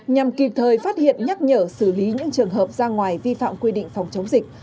nhằm kịp thời phát hiện nhắc nhở xử lý những trường hợp ra ngoài vi phạm quy định phòng chống dịch